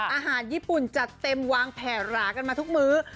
อาหารญี่ปุ่นจัดเต็มวางแผ่หรากันมาทุกมื้อ